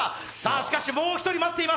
しかし、もう一人、待ってます。